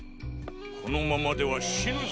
このままでは死ぬぞ。